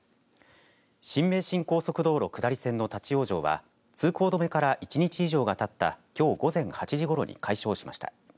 新名神高速道路下り線の立往生は通行止めから１日以上がたったきょう午前８時ごろに解消しました。